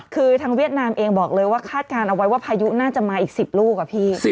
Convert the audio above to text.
คือทางเวียดนามเองบอกเลยว่าคาดการณ์เอาไว้ว่าพายุน่าจะมาอีก๑๐ลูกอะพี่